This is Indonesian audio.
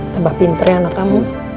tambah pinter anak kamu